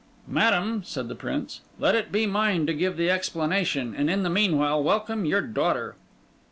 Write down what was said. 'Madam,' said the Prince, 'let it be mine to give the explanation; and in the meanwhile, welcome your daughter.